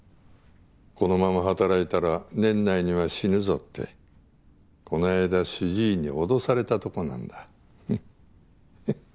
このまま働いたら年内には死ぬぞってこないだ主治医におどされたとこなんだふっははっ。